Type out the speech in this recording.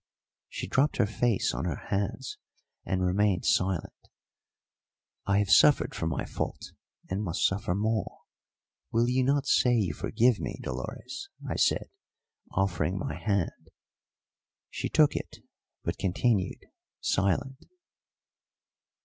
She dropped her face on her hands and remained silent. "I have suffered for my fault, and must suffer more. Will you not say you forgive me, Dolores?" I said, offering my hand. She took it, but continued silent.